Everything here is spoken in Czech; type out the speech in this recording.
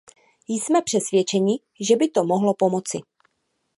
Jsme přesvědčeni, že by to mohlo pomoci.